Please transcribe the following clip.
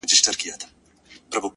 پوهېږې په جنت کي به همداسي ليونی یم!!